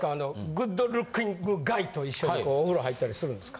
グッドルッキングガイと一緒にお風呂入ったりするんですか？